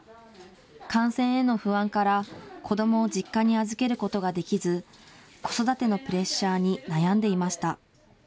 感染への不安から、子どもを実家に預けることができず、子育てのプレッシャーに悩んでいました。